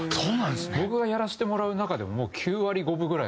僕がやらせてもらう中でも。